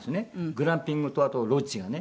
グランピングとあとロッジがね。